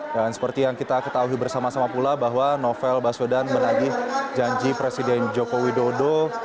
dan seperti yang kita ketahui bersama sama pula bahwa novel baswedan menagih janji presiden joko widodo